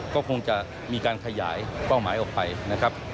ก็คงจะมีการขยายเป้าหมายออกไปนะครับ